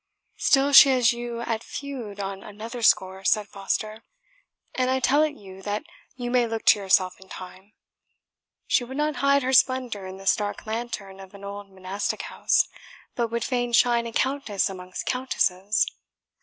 "Still she has you at feud on another score," said Foster; "and I tell it you that you may look to yourself in time. She would not hide her splendour in this dark lantern of an old monastic house, but would fain shine a countess amongst countesses."